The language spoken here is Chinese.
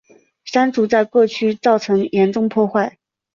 山竹在各区造成严重破坏。